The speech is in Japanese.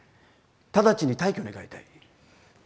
直ちに退去願いたい。